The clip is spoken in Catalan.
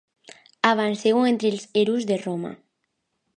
Avanceu entre els hereus de Roma.